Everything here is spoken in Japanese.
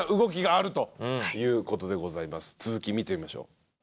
続き見てみましょう。